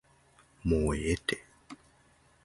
もうええて